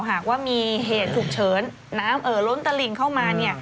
หากว่ามีเหตุฉุกเฉินน้ำเอ่อล้นตะหลิงเข้ามา